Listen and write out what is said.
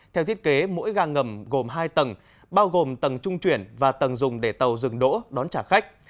theo thiết kế mỗi ga ngầm gồm hai tầng bao gồm tầng trung chuyển và tầng dùng để tàu dừng đỗ đón trả khách